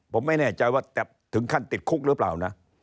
ผมไม่แน่ใจว่าแต่ถึงขั้นติดคุกหรือเปล่านะ